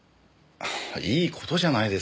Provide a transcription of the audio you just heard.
いい事じゃないですか。